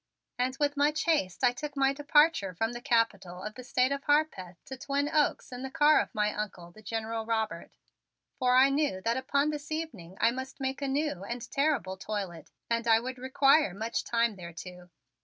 And with much haste I took my departure from the Capitol of the State of Harpeth to Twin Oaks in the car of my Uncle, the General Robert, for I knew that upon this evening I must make a new and terrible toilet and I would require much time thereto.